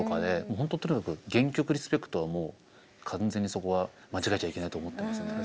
本当とにかく原曲リスペクトはもう完全にそこは間違えちゃいけないと思ってますね。